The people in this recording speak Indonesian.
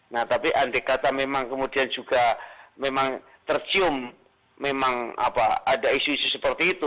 nah tapi andai kata memang kemudian juga memang tercium memang apa ada isu isu seperti itu